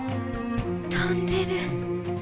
飛んでる。